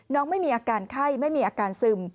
ไม่มีอาการไข้ไม่มีอาการซึม